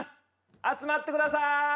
集まってください！